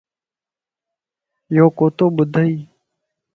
يو ڪوتو ٻڌئي